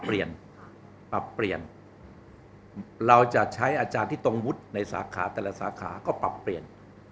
ปรับเปลี่ยนเราจะใช้อาจารย์ที่ตรงวุฒิในสาขาแต่ละสาขาก็ปรับเปลี่ยน